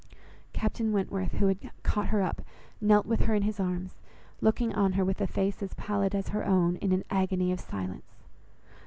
Captain Wentworth, who had caught her up, knelt with her in his arms, looking on her with a face as pallid as her own, in an agony of silence.